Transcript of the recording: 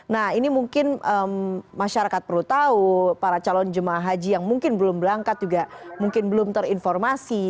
nah ini mungkin masyarakat perlu tahu para calon jemaah haji yang mungkin belum berangkat juga mungkin belum terinformasi